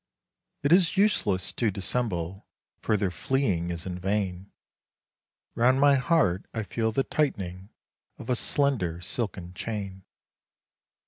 It is useless to dissemble, further fleeing is in vain, 'Round my heart I feel the tight'ning of a slender silken chain.